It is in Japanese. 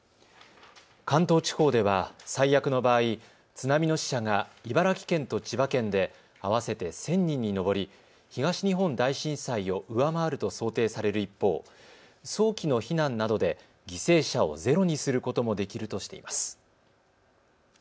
関東地方では最悪の場合、津波の死者が茨城県と千葉県で合わせて１０００人に上り、東日本大震災を上回ると想定される一方、早期の避難などで犠牲者をゼロにすることもできるとしています。